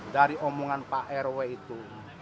dari omongan pak rw itu